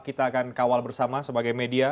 kita akan kawal bersama sebagai media